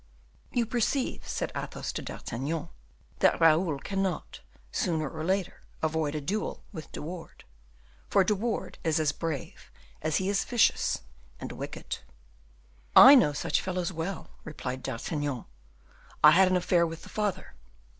"You perceive," said Athos to D'Artagnan, "that Raoul cannot, sooner or later, avoid a duel with De Wardes, for De Wardes is as brave as he is vicious and wicked." "I know such fellows well," replied D'Artagnan; "I had an affair with the father.